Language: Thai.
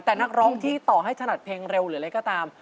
แต่นักร้องที่ต่อให้ถนัดเพลงเร็วหรืออะไรก็ตาม